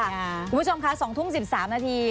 คุณผู้ชมค่ะ๒ทุ่ม๑๓นาที